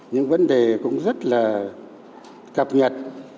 những vấn đề cũng rất là cập nhật